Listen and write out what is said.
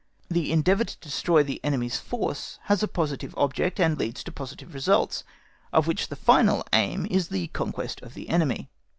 The endeavour to destroy the enemy's force has a positive object, and leads to positive results, of which the final aim is the conquest of the enemy.